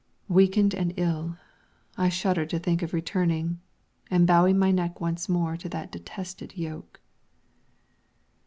Weakened and ill, I shuddered to think of returning and bowing my neck once more to that detested yoke.